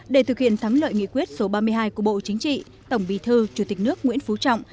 để thực hiện thắng lợi nghị quyết số ba mươi hai của bộ chính trị tổng bì thư chủ tịch nước nguyễn phú trọng